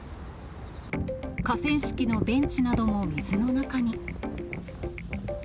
河川敷のベンチなども水の中に。